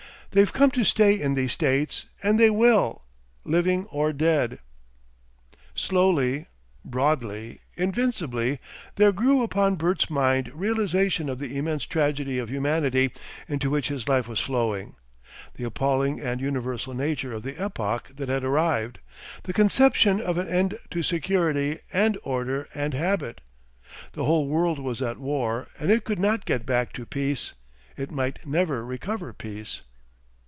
They've come to stay in these States, and they will living or dead." Slowly, broadly, invincibly, there grew upon Bert's mind realisation of the immense tragedy of humanity into which his life was flowing; the appalling and universal nature of the epoch that had arrived; the conception of an end to security and order and habit. The whole world was at war and it could not get back to peace, it might never recover peace.